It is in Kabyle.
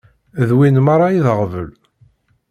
D win merra i d aɣbel.